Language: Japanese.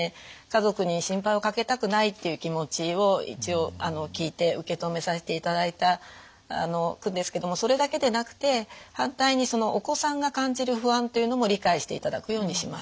家族に心配をかけたくないっていう気持ちを一応聞いて受け止めさせていただくんですけどそれだけでなくて反対にそのお子さんが感じる不安っていうのも理解していただくようにします。